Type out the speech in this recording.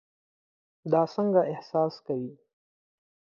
دا څنګه احساس کوي؟